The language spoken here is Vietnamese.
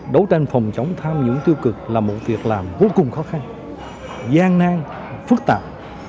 đấu tranh phòng chống tham nhũng tiêu cực là một việc làm vô cùng khó khăn gian nang phức tạp